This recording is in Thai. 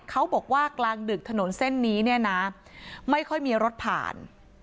กลางดึกถนนเส้นนี้เนี่ยนะไม่ค่อยมีรถผ่าน